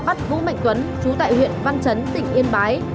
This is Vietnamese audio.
bắt vũ mạnh tuấn trú tại huyện văn trấn tỉnh yên bái